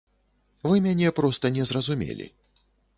Вы мяне проста не зразумелі.